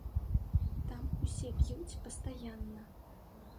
Там усе п'юць пастаянна.